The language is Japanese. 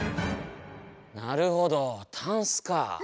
なるほど「タンス」か。